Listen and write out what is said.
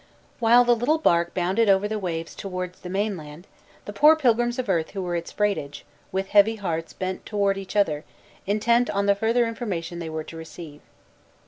While the little bark bounded over the waves toward the main land, the poor pilgrims of earth who were its freightage, with heavy hearts bent toward each other, intent on the further information they were to receive.